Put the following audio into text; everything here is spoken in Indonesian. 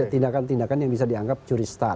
tindakan tindakan yang bisa dianggap curi star